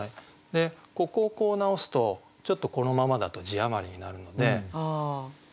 ここをこう直すとこのままだと字余りになるので。